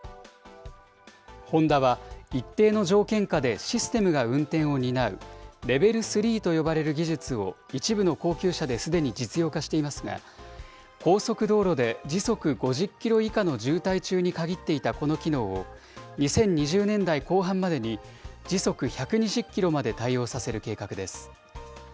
ホンダは一定の条件下でシステムが運転を担うレベル３と呼ばれる技術を一部の高級車ですでに実用化していますが、高速道路で時速５０キロ以下の渋滞中に限っていたこの機能を、２０２０年代後半までに時速１２０キロまで対応させる計画です。